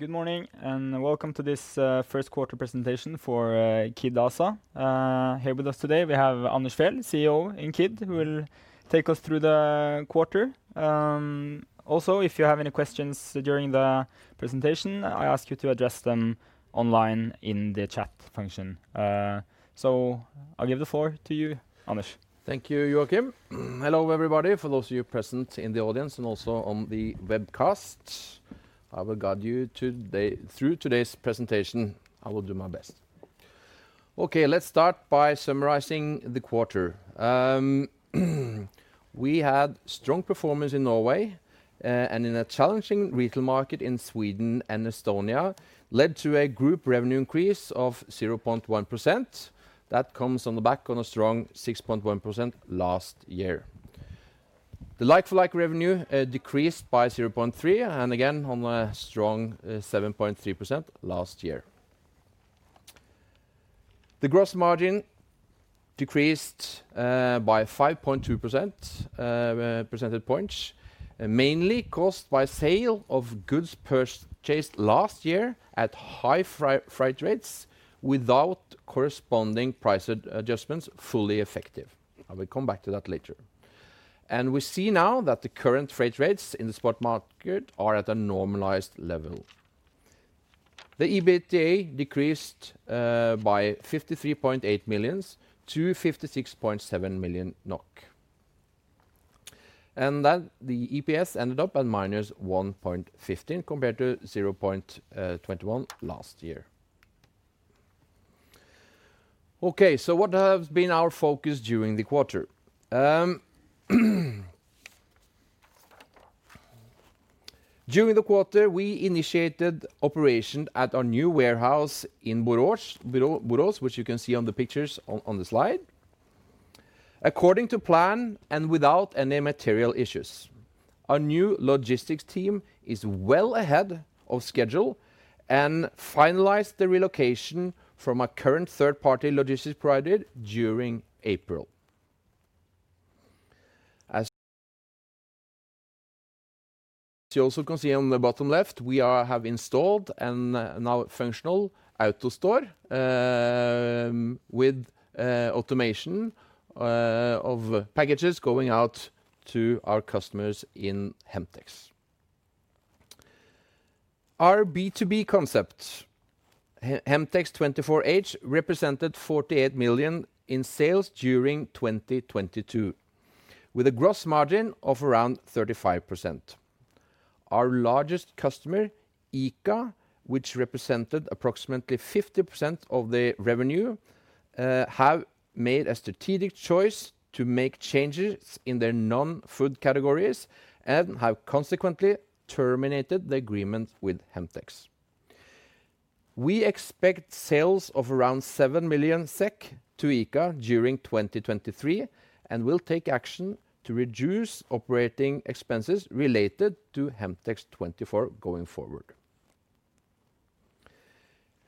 Good morning. Welcome to this first quarter presentation for Kid ASA. Here with us today, we have Anders Fjeld, CEO in Kid, who will take us through the quarter. If you have any questions during the presentation, I ask you to address them online in the chat function. I'll give the floor to you, Anders. Thank you, Joakim. Hello, everybody, for those of you present in the audience and also on the webcast. I will guide you through today's presentation. I will do my best. Let's start by summarizing the quarter. We had strong performance in Norway, and in a challenging retail market in Sweden and Estonia, led to a group revenue increase of 0.1%. That comes on the back on a strong 6.1% last year. The like-for-like revenue decreased by 0.3%, and again, on a strong 7.3% last year. The gross margin decreased by 5.2 percentage points, mainly caused by sale of goods purchased last year at high freight rates, without corresponding price adjustments fully effective. I will come back to that later. We see now that the current freight rates in the spot market are at a normalized level. The EBITDA decreased by 53.8 million-56.7 million NOK. The EPS ended up at -1.15, compared to 0.21 last year. What has been our focus during the quarter? During the quarter, we initiated operation at our new warehouse in Borås, which you can see on the pictures on the slide. According to plan and without any material issues, our new logistics team is well ahead of schedule and finalized the relocation from a current third-party logistics provider during April. As you also can see on the bottom left, we have installed and now functional AutoStore, with automation of packages going out to our customers in Hemtex. Our B2B concept, Hemtex 24H, represented 48 million in sales during 2022, with a gross margin of around 35%. Our largest customer, ICA, which represented approximately 50% of the revenue, have made a strategic choice to make changes in their non-food categories and have consequently terminated the agreement with Hemtex. We expect sales of around 7 million SEK to ICA during 2023, will take action to reduce operating expenses related to Hemtex 24 going forward.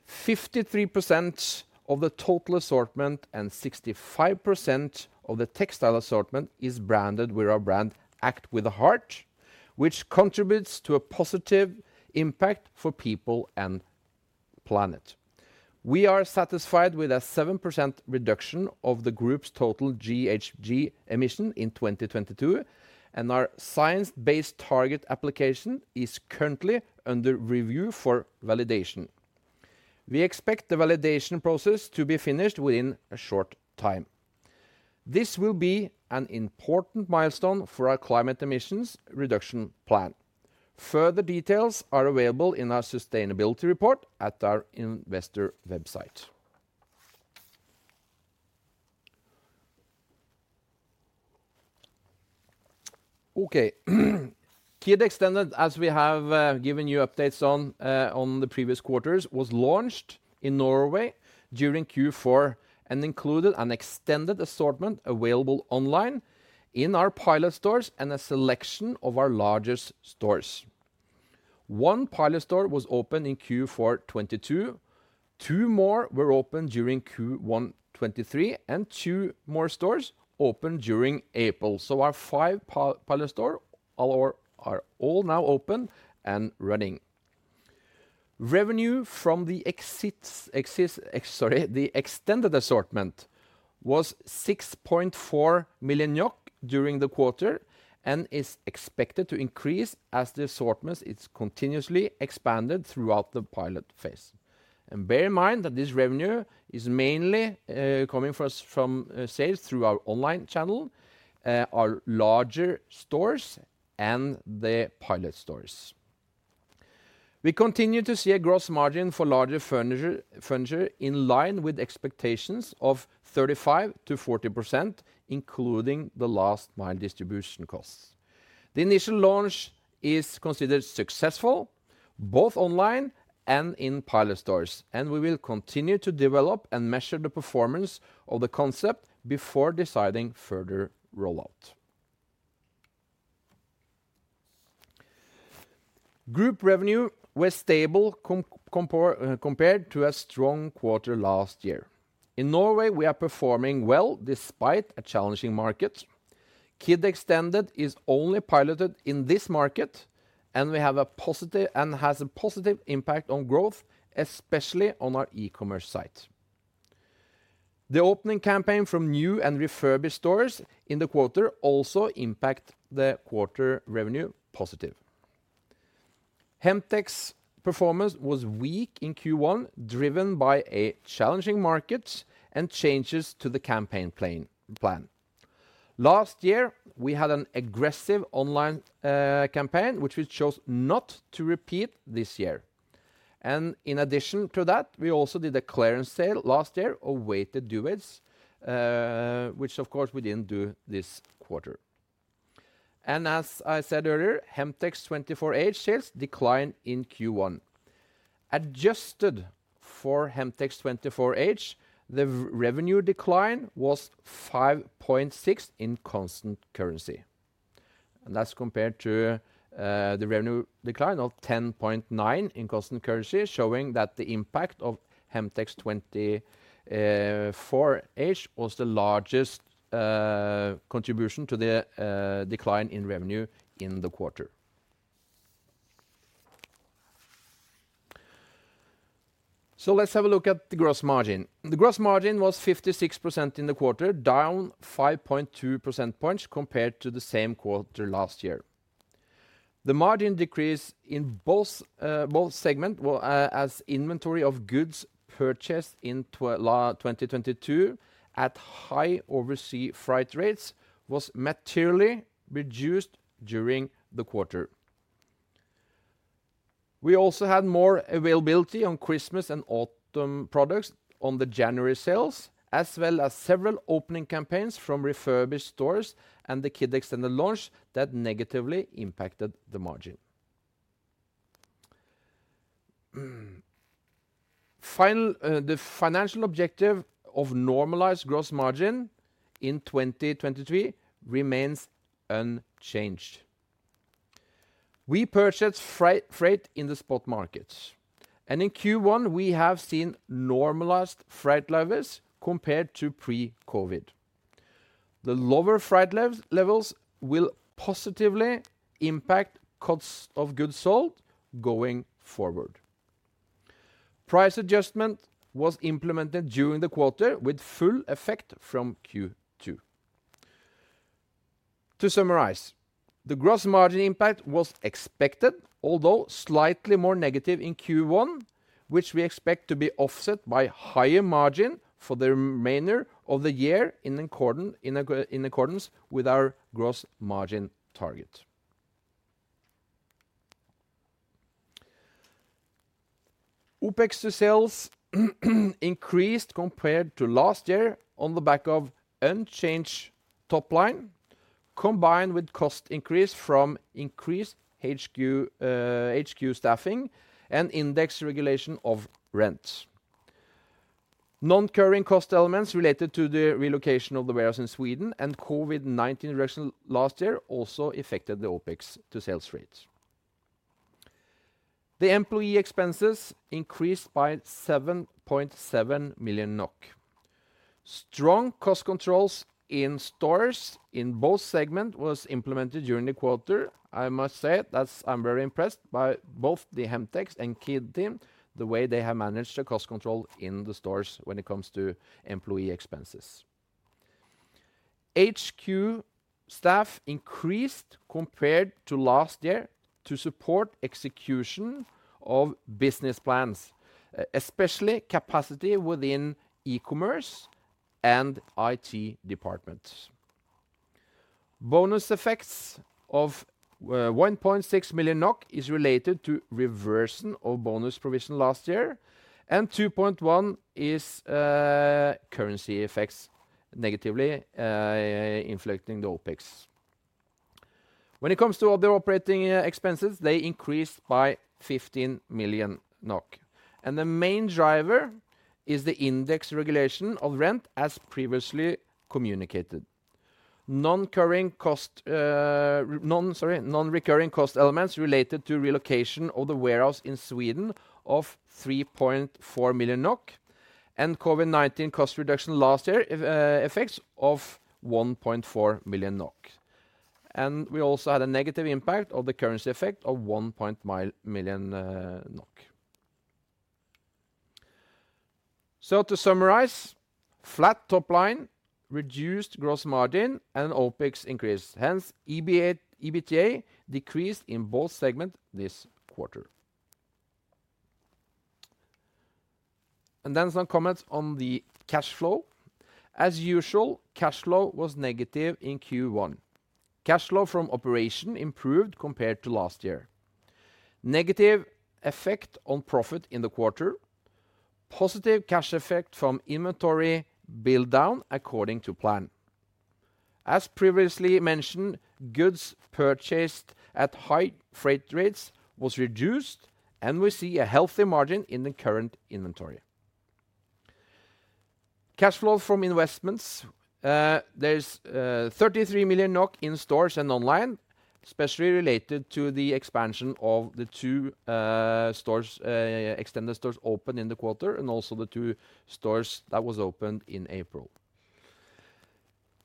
53% of the total assortment and 65% of the textile assortment is branded with our brand, Act With a Heart, which contributes to a positive impact for people and planet. We are satisfied with a 7% reduction of the group's total GHG emission in 2022, our science-based target application is currently under review for validation. We expect the validation process to be finished within a short time. This will be an important milestone for our climate emissions reduction plan. Further details are available in our sustainability report at our investor website. Okay. Kid Extended, as we have given you updates on the previous quarters, was launched in Norway during Q4, included an extended assortment available online, in our pilot stores, and a selection of our largest stores. One pilot store was opened in Q4 2022, two more were opened during Q1 2023, two more stores opened during April. Our five pilot store all are all now open and running. Revenue from the extended assortment was 6.4 million during the quarter and is expected to increase as the assortment is continuously expanded throughout the pilot phase. Bear in mind that this revenue is mainly coming from sales through our online channel, our larger stores, and the pilot stores. We continue to see a gross margin for larger furniture in line with expectations of 35%-40%, including the last mile distribution costs. The initial launch is considered successful, both online and in pilot stores, and we will continue to develop and measure the performance of the concept before deciding further rollout. Group revenue was stable compared to a strong quarter last year. In Norway, we are performing well despite a challenging market. Kid Extended is only piloted in this market, has a positive impact on growth, especially on our e-commerce site. The opening campaign from new and refurbished stores in the quarter also impact the quarter revenue positive. Hemtex's performance was weak in Q1, driven by a challenging market and changes to the campaign plan. Last year, we had an aggressive online campaign, which we chose not to repeat this year. In addition to that, we also did a clearance sale last year of weighted duvets, which of course, we didn't do this quarter. As I said earlier, Hemtex's 24H sales declined in Q1. Adjusted for Hemtex 24H, the revenue decline was 5.6 in constant currency, that's compared to the revenue decline of 10.9 in constant currency, showing that the impact of Hemtex 24H was the largest contribution to the decline in revenue in the quarter. Let's have a look at the gross margin. The gross margin was 56% in the quarter, down 5.2% points compared to the same quarter last year. The margin decreased in both segments as inventory of goods purchased in 2022 at high oversea freight rates was materially reduced during the quarter. We also had more availability on Christmas and autumn products on the January sales, as well as several opening campaigns from refurbished stores and the Kid Extended launch that negatively impacted the margin. Final, the financial objective of normalized gross margin in 2023 remains unchanged. We purchased freight in the spot markets, and in Q1, we have seen normalized freight levels compared to pre-COVID. The lower freight levels will positively impact costs of goods sold going forward. Price adjustment was implemented during the quarter, with full effect from Q2. To summarize, the gross margin impact was expected, although slightly more negative in Q1, which we expect to be offset by higher margin for the remainder of the year in accordance with our gross margin target. OpEx to sales increased compared to last year on the back of unchanged top line, combined with cost increase from increased HQ staffing and index regulation of rent. Non-occurring cost elements related to the relocation of the warehouse in Sweden and COVID-19 reduction last year also affected the OpEx to sales rates. The employee expenses increased by 7.7 million NOK. Strong cost controls in stores in both segment was implemented during the quarter. I must say, I'm very impressed by both the Hemtex and Kid team, the way they have managed the cost control in the stores when it comes to employee expenses. HQ staff increased compared to last year to support execution of business plans, especially capacity within e-commerce and IT departments. Bonus effects of 1.6 million NOK is related to reversion of bonus provision last year. 2.1 million is currency effects negatively inflicting the OpEx. When it comes to other operating expenses, they increased by 15 million NOK. The main driver is the index regulation of rent, as previously communicated. Non-recurring cost elements related to relocation of the warehouse in Sweden of 3.4 million NOK and COVID-19 cost reduction last year, effects of 1.4 million NOK. We also had a negative impact of the currency effect of 1.0 million NOK. To summarize, flat top line, reduced gross margin, and OpEx increased. EBITDA decreased in both segment this quarter. Some comments on the cash flow. As usual, cash flow was negative in Q1. Cash flow from operation improved compared to last year. Negative effect on profit in the quarter. Positive cash effect from inventory build down according to plan. As previously mentioned, goods purchased at high freight rates was reduced, and we see a healthy margin in the current inventory. Cash flow from investments, there's 33 million NOK in stores and online. Especially related to the expansion of the two Kid Extended stores opened in the quarter, and also the two stores that was opened in April.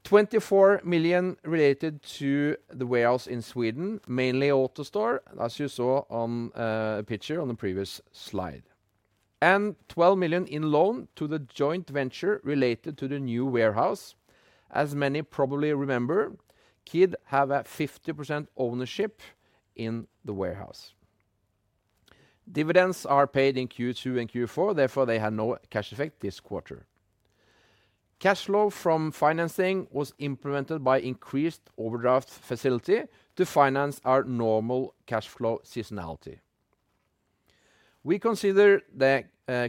24 million related to the warehouse in Sweden, mainly AutoStore, as you saw on a picture on the previous slide. 12 million in loan to the joint venture related to the new warehouse. As many probably remember, Kid have a 50% ownership in the warehouse. Dividends are paid in Q2 and Q4. They had no cash effect this quarter. Cash flow from financing was implemented by increased overdraft facility to finance our normal cash flow seasonality. We consider the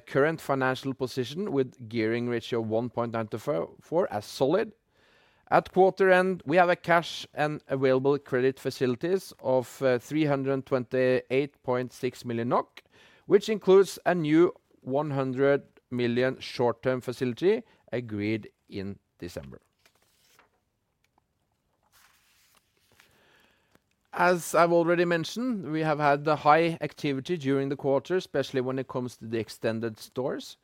current financial position with gearing ratio 1.9 to four as solid. At quarter end, we have a cash and available credit facilities of 328.6 million NOK, which includes a new 100 million short-term facility agreed in December. As I've already mentioned, we have had the high activity during the quarter, especially when it comes to the extended stores.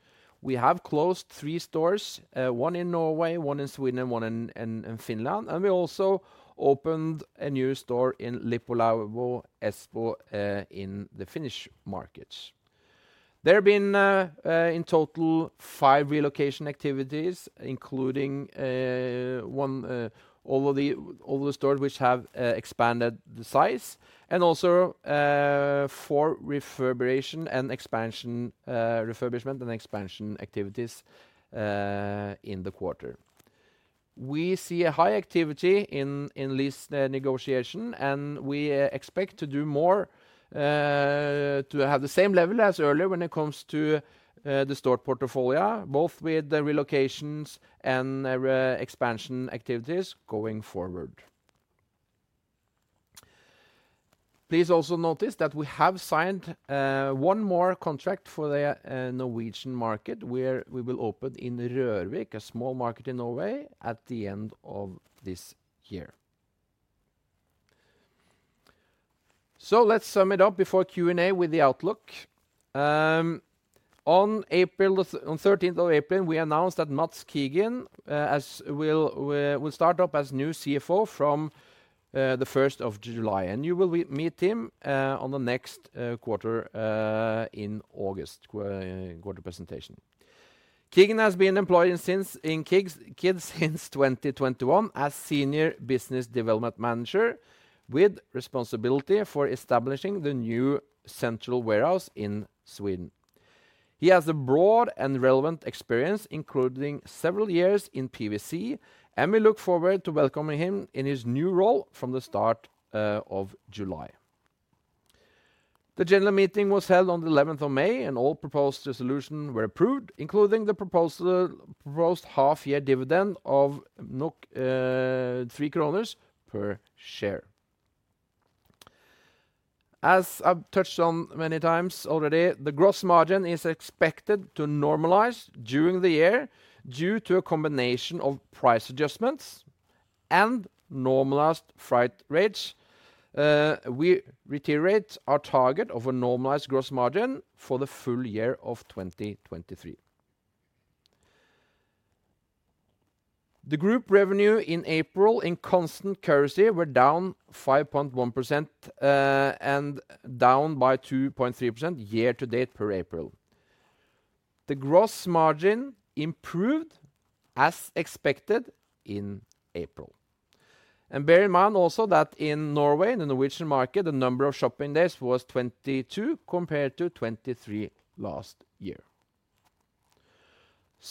We have closed three stores, one in Norway, one in Sweden, and one in Finland. We also opened a new store in Lippulaiva Espoo in the Finnish markets. There have been, in total, five relocation activities, including one, all the stores which have expanded the size, and also four refurbishment and expansion activities, in the quarter. We see a high activity in lease negotiation, and we expect to do more, to have the same level as earlier when it comes to the store portfolio, both with the relocations and expansion activities going forward. Please also notice that we have signed one more contract for the Norwegian market, where we will open in the Rørvik, a small market in Norway, at the end of this year. Let's sum it up before Q&A with the outlook. On April 13th, we announced that Mads Kigen will start up as new CFO from the 1st of July, and you will meet him on the next quarter in August quarter presentation. Kigen has been employed in Kid since 2021 as Senior Business Development Manager, with responsibility for establishing the new central warehouse in Sweden. He has a broad and relevant experience, including several years in PwC, and we look forward to welcoming him in his new role from the start of July. The General meeting was held on the 11th of May, and all proposed resolution were approved, including the proposed half-year dividend of 3 kroner per share. As I've touched on many times already, the gross margin is expected to normalize during the year due to a combination of price adjustments and normalized freight rates. We reiterate our target of a normalized gross margin for the full year of 2023. The group revenue in April in constant currency were down 5.1%, and down by 2.3% year to date per April. The gross margin improved as expected in April. Bear in mind also that in Norway, in the Norwegian market, the number of shopping days was 22, compared to 23 last year.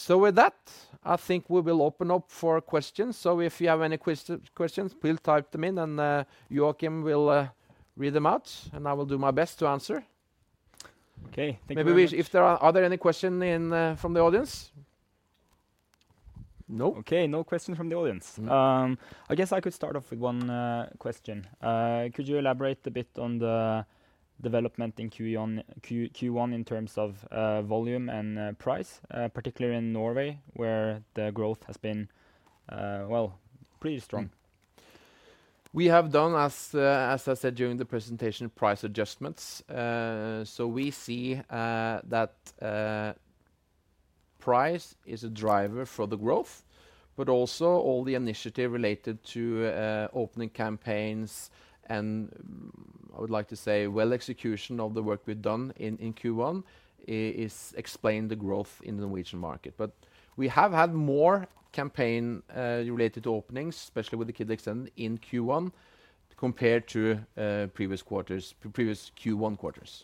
With that, I think we will open up for questions. If you have any questions, please type them in, and Joakim will read them out, and I will do my best to answer. Okay, thank you very much. If there are any question in from the audience? No. No question from the audience. Mm-hmm. I guess I could start off with one question. Could you elaborate a bit on the development in Q1 in terms of volume and price, particularly in Norway, where the growth has been, well, pretty strong? We have done, as I said, during the presentation, price adjustments. We see, that, price is a driver for the growth, but also all the initiative related to, opening campaigns and, I would like to say, well execution of the work we've done in Q1, is explained the growth in the Norwegian market. We have had more campaign, related openings, especially with the Kid extended in Q1, compared to, previous quarters, previous Q1 quarters.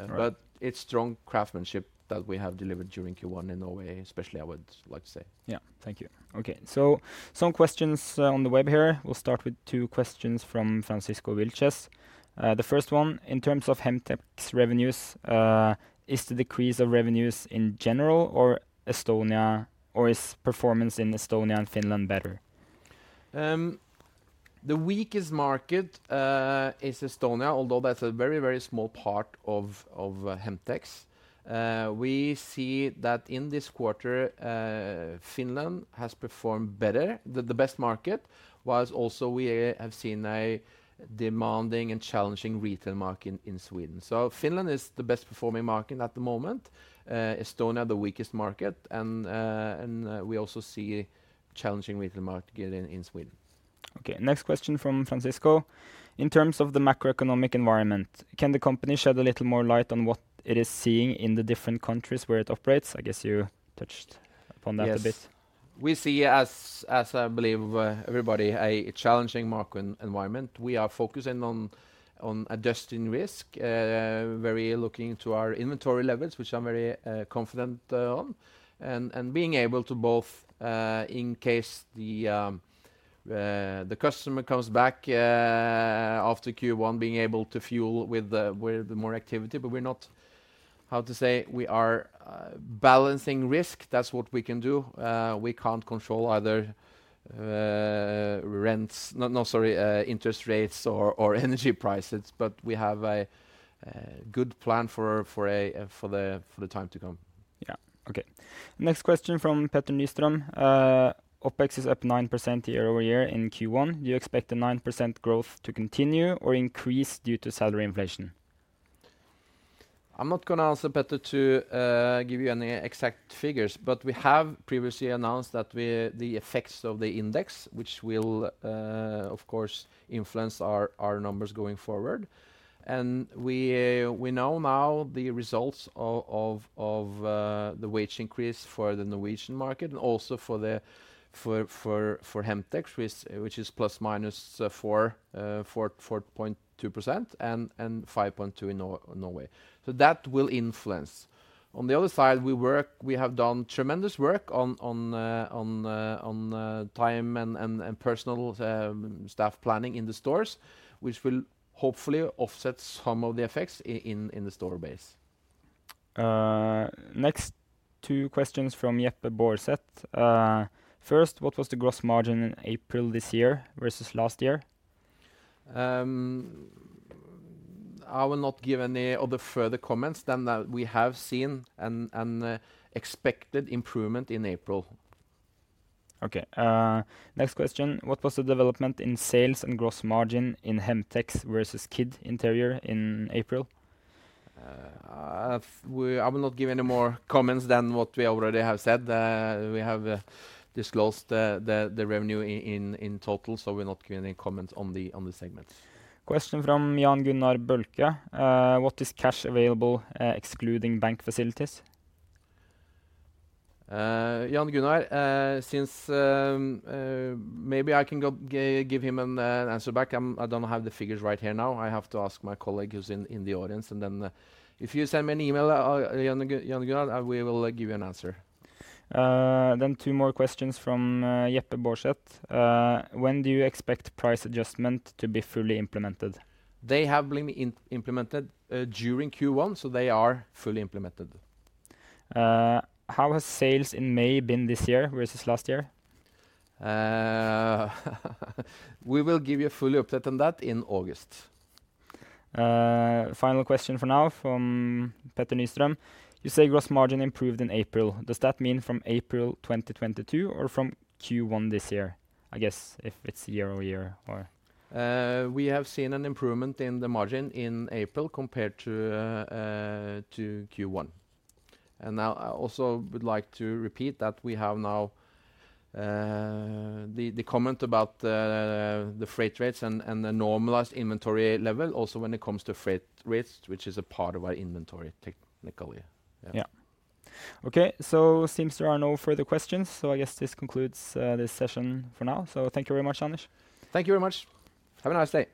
All right. It's strong craftsmanship that we have delivered during Q1 in Norway, especially, I would like to say. Yeah. Thank you. Some questions on the web here. We'll start with two questions from Francisco Vilches. The first one: "In terms of Hemtex revenues, is the decrease of revenues in general, or Estonia, or is performance in Estonia and Finland better? The weakest market is Estonia, although that's a very, very small part of Hemtex. We see that in this quarter, Finland has performed better. The best market, whilst also we have seen a demanding and challenging retail market in Sweden. Finland is the best performing market at the moment, Estonia, the weakest market, and we also see challenging retail market in Sweden. Okay, next question from Francisco: In terms of the macroeconomic environment, can the company shed a little more light on what it is seeing in the different countries where it operates? I guess you touched upon that a bit. Yes. We see as I believe everybody a challenging market environment. We are focusing on adjusting risk, very looking to our inventory levels, which I'm very confident on, and being able to both, in case the customer comes back after Q1, being able to fuel with more activity. But we're not... How to say? We are balancing risk. That's what we can do. We can't control other rents, no, sorry, interest rates or energy prices, but we have a good plan for the time to come. Yeah. Okay. Next question from Peter Nystrom. "OpEx is up 9% year-over-year in Q1. Do you expect the 9% growth to continue or increase due to salary inflation? I'm not gonna answer, Peter, to give you any exact figures, but we have previously announced that the effects of the index, which will, of course, influence our numbers going forward. We know now the results of the wage increase for the Norwegian market and also for Hemtex, which is ± 4.2%, and 5.2% in Norway. That will influence. On the other side, we have done tremendous work on time and personal staff planning in the stores, which will hopefully offset some of the effects in the store base. Next, two questions from [Jeppe] Borset. First, what was the gross margin in April this year versus last year? I will not give any other further comments than that. We have seen an expected improvement in April. Next question: What was the development in sales and gross margin in Hemtex versus Kid Interiør in April? I will not give any more comments than what we already have said. We have disclosed the revenue in total, so we're not giving any comments on the segment. Question from Jan Gunnar Bølke: What is cash available, excluding bank facilities? Jan Gunnar, since maybe I can give him an answer back. I don't have the figures right here now. I have to ask my colleague who's in the audience, and then if you send me an email, Jan Gunnar, we will give you an answer. Two more questions from [Jeppe] Borset. When do you expect price adjustment to be fully implemented? They have been implemented during Q1, so they are fully implemented. How has sales in May been this year versus last year? We will give you a full update on that in August. final question for now, from Peter Nystrom: You say gross margin improved in April. Does that mean from April 2022 or from Q1 this year? I guess if it's year-over-year. We have seen an improvement in the margin in April compared to Q1. Now, I also would like to repeat that we have now the comment about the freight rates and the normalized inventory level, also when it comes to freight rates, which is a part of our inventory, technically. Yeah. Okay, seems there are no further questions. I guess this concludes this session for now. Thank you very much, Anders. Thank you very much. Have a nice day.